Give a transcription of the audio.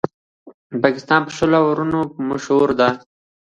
پاکستان په شلو اورونو مشهور دئ.